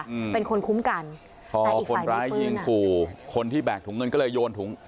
อืมเป็นคนคุ้มกันพอคนร้ายยิงขู่คนที่แบกถุงเงินก็เลยโยนถุง